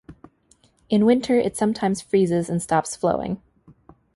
In winter it sometimes freezes and stops flowing.